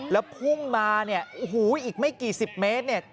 แล้วพุ่งมาเนี่ยอีกไม่กี่สิบเมตร